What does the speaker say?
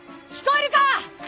聞こえるか？